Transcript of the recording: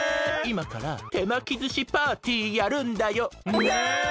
いまからてまきずしパーティーやるんだよ。ね！